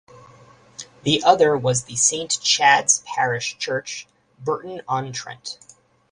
The other was the Saint Chad's parish church, Burton-on-Trent.